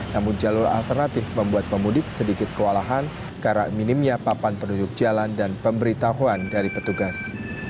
namun jalur alternatif membuat pemudik sedikit kewalahan karena minimnya papan penunjuk jalan dan pemberitahuan dari petugas